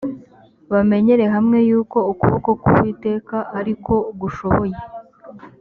bamenyere hamwe y’uko ukuboko k’uwiteka ari ko gushoboye